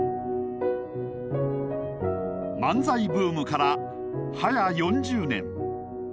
漫才ブームから早４０年。